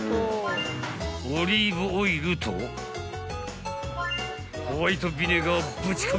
［オリーブオイルとホワイトビネガーをぶち込み］